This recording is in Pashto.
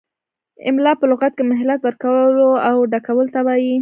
املاء په لغت کې مهلت ورکولو او ډکولو ته وايي.